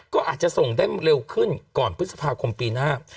ก็อาจจะส่งได้เร็วขึ้นก่อนพฤษภาคมปีหน้า